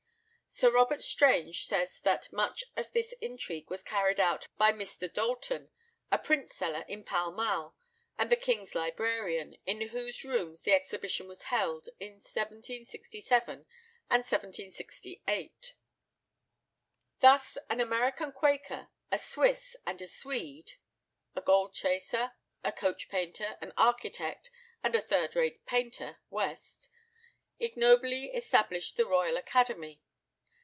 Sir Robert Strange says that much of this intrigue was carried out by Mr. Dalton, a print seller in Pall Mall, and the king's librarian, in whose rooms the exhibition was held in 1767 and 1768. Thus an American Quaker, a Swiss, and a Swede (a gold chaser, a coach painter, an architect, and a third rate painter, West) ignobly established the Royal Academy.